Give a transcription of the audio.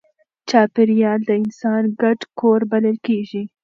چاپېریال د انسان ګډ کور بلل کېږي.